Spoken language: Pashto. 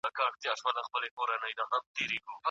د خلګو بې ځايه پيغورونو ته بايد غوږ ونه نيسئ.